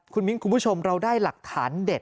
คุณมิ้นคุณผู้ชมเราได้หลักฐานเด็ด